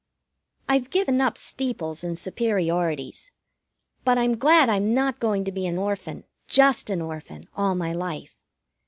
I've given up steeples and superiorities. But I'm glad I'm not going to be an orphan, just an orphan, all my life.